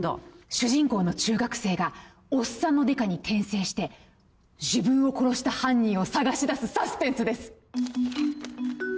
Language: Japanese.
主人公の中学生がおっさんのデカに転生して自分を殺した犯人を捜し出すサスペンスです。